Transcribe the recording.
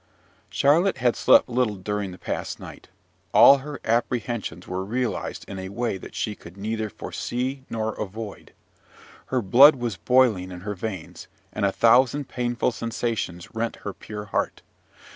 Charlotte had slept little during the past night. All her apprehensions were realised in a way that she could neither foresee nor avoid. Her blood was boiling in her veins, and a thousand painful sensations rent her pure heart.